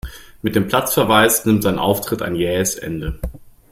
Mit dem Platzverweis nimmt sein Auftritt ein jähes Ende.